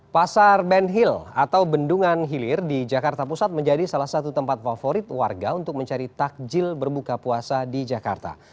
pasar ben hill atau bendungan hilir di jakarta pusat menjadi salah satu tempat favorit warga untuk mencari takjil berbuka puasa di jakarta